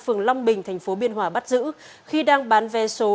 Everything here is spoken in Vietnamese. phường long bình thành phố biên hòa bắt giữ khi đang bán vé số